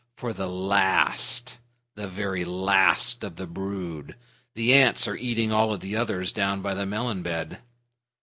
For the last the very last of the brood? The ants are eating all the others down by the melon bed."